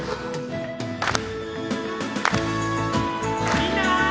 みんな！